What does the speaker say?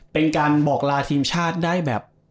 เป็นการบอกลาทีมชาติได้แบบ